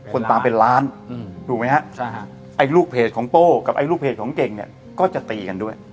คนตามเป็นล้านถูกไหมฮะไอ้ลูกเพจของโป้กับไอ้ลูกเพจของเก่งเนี่ยก็จะตีกันด้วย